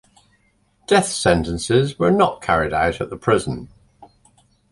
Death sentences were not carried out at the prison.